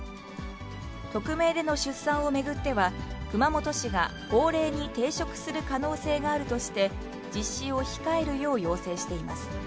匿名での出産を巡っては、熊本市が法令に抵触する可能性があるとして、実施を控えるよう要請しています。